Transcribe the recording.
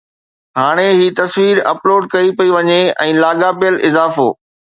ھاڻي ھي تصوير اپلوڊ ڪئي پئي وڃي ۽ لاڳاپيل اضافو